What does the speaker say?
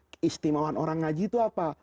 keistimewaan orang ngaji itu apa